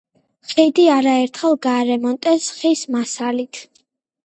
ხიდი არაერთხელ გაარემონტეს ხის მასალით.